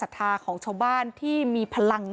เพราะทนายอันนันชายเดชาบอกว่าจะเป็นการเอาคืนยังไง